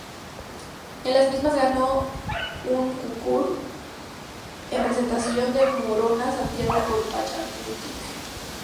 En las mismas ganó una curul en representación de Morona Santiago por Pachakutik.